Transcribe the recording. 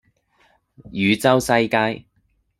汝州西街